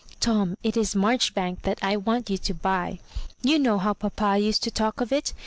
Tom, it is Marchbank that I want you to buy. You know how papa used to talk of it.